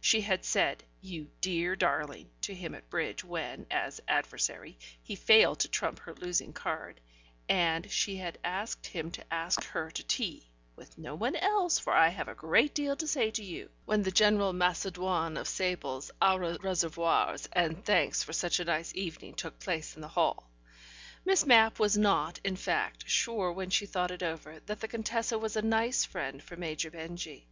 She had said "you dear darling" to him at bridge when, as adversary, he failed to trump her losing card, and she had asked him to ask her to tea ("with no one else, for I have a great deal to say to you"), when the general macédoine of sables, au reservoirs, and thanks for such a nice evening took place in the hall. Miss Mapp was not, in fact, sure when she thought it over, that the Contessa was a nice friend for Major Benjy.